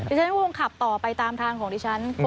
ฉันก็คงขับต่อไปตามทางของดิฉัน